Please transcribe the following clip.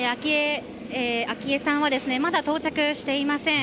昭恵さんはまだ到着していません。